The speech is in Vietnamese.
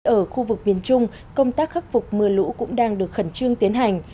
ở khu vực miền trung công tác khắc phục mưa lũ cũng đang được khẩn trương tiến hành